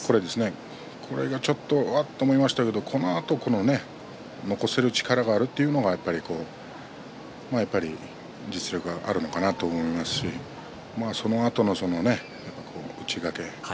ちょっと、あっと思いましたけれども、そのあと残せる力があるというのがやっぱり実力があるのかなと思いますしそのあとの内掛け